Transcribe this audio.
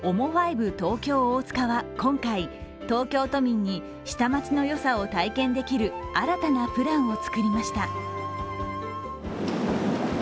東京大塚は今回、東京都民に下町のよさを体験できる新たなプランを作りました。